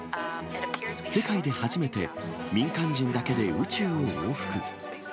世界で初めて、民間人だけで宇宙を往復。